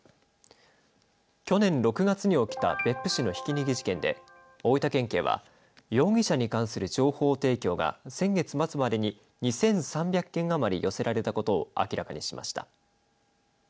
去年６月に起きた別府市のひき逃げ事件で大分県警は容疑者に関する情報提供が先月末までに２３００件余り寄せられたことを明らかにしました。